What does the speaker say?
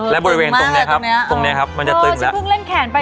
และบริเวณตรงนี้ครับตรงนี้ครับมันจะตึงแล้วเพิ่งเล่นแขนไป